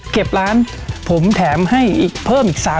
เก็บร้านผมแถมให้เพิ่มอีก๓๒ไม้